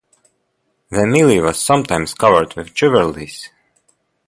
The mili was sometimes covered with jewelries.